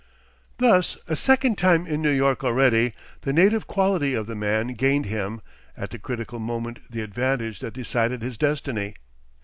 Thus, a second time in New York already, the native quality of the man gained him, at the critical moment the advantage that decided his destiny.